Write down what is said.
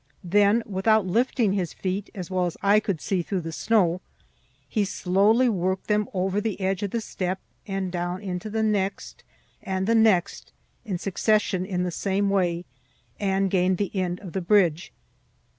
Then, without lifting his feet, as well as I could see through the snow, he slowly worked them over the edge of the step and down into the next and the next in succession in the same way, and gained the end of the bridge.